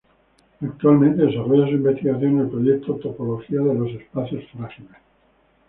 Actualmente desarrolla su investigación en el proyecto "Topología de los espacios frágiles".